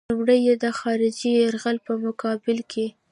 لومړی یې د خارجي یرغل په مقابل کې.